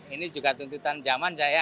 ini juga tuntutan zaman